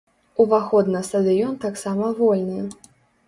Уваход на стадыён таксама вольны.